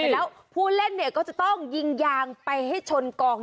แล้วผู้เล่นเนี่ยก็จะต้องยิงยางไปให้ชนกอง